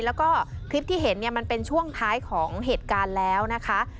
แล้วก็คลิปที่เห็นเนี่ยมันเป็นช่วงท้ายของเหตุการณ์แล้วนะคะ